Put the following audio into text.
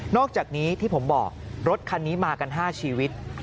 อกจากนี้ที่ผมบอกรถคันนี้มากัน๕ชีวิต